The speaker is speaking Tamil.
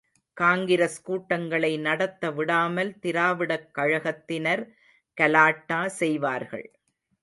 காங்கிரஸ் கூட்டங்களை நடத்தவிடாமல் திராவிடக் கழகத்தினர் கலாட்டா செய்வார்கள்.